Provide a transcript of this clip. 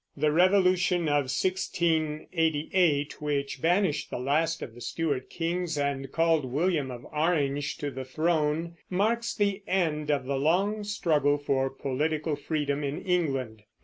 The Revolution of 1688, which banished the last of the Stuart kings and called William of Orange to the throne, marks the end of the long struggle for political freedom in England.